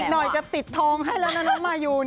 หน่อยจะติดทองให้แล้วนะน้องมายูน